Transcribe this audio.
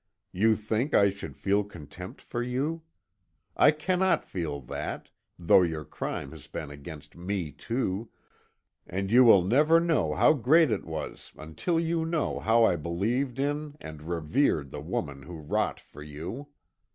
You think I should feel contempt for you? I cannot feel that, though your crime has been against me too, and you will never know how great it was until you know how I believed in and revered the woman who wrought for you.